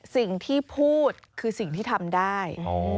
สิ่งที่พูดคือสิ่งที่ทำได้